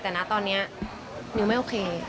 แต่นะตอนนี้นิวไม่โอเค